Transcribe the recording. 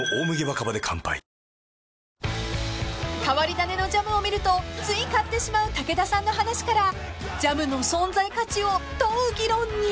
［変わり種のジャムを見るとつい買ってしまう武田さんの話からジャムの存在価値を問う議論に］